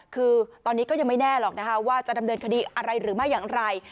คือตอนนี้ก็ยังไม่แน่หรอกนะคะว่าจะดำเนินคดีอะไรหรือไม่อย่างไร